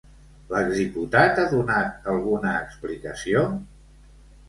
L'ex-diputat ha donat alguna explicació?